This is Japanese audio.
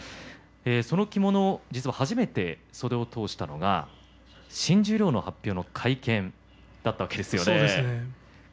その着物実は初めて袖を通したのが新十両が発表の会見だったわけですね。